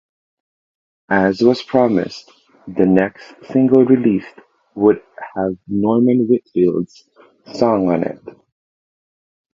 As was promised, the next single released would have Norman Whitfield's song on it.